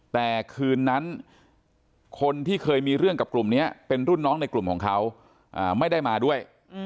แต่คืนนั้นคนที่เคยมีเรื่องกับกลุ่มนี้เป็นรุ่นน้องในกลุ่มของเขาไม่ได้มาด้วย